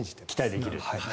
期待できる。